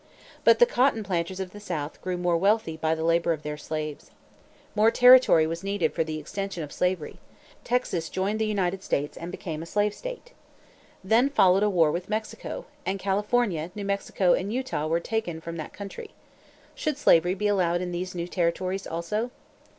But the cotton planters of the South grew more wealthy by the labor of their slaves. More territory was needed for the extension of slavery. Texas joined the United States and became a slave state. Then followed a war with Mexico; and California, New Mexico and Utah were taken from that country. Should slavery be allowed in these new territories also?